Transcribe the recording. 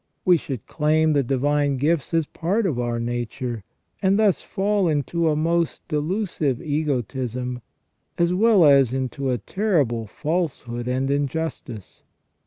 We should claim the divine gifts as a part of our nature, and thus fall into a most delusive egotism, as well as into a terrible falsehood and injustice.